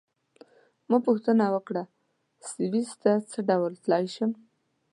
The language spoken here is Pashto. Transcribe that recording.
ما پوښتنه وکړه: سویس ته څه ډول تلای شم؟